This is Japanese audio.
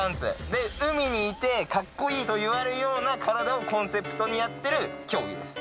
で海にいてカッコいいと言われるような体をコンセプトにやってる競技です。